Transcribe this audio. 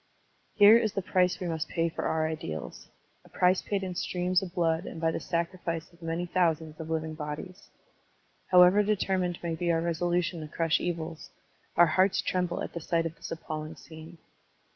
Here is the price we must pay for our ideals — a price paid in streams of blood and by the sacri fice of many thousands of living bodies. How ever determined may be our resolution to crush evils, our hearts tremble at the sight of this appalling scene.